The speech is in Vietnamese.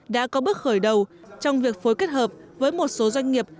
đã có bước khởi đầu trong việc phối kết hợp với một số doanh nghiệp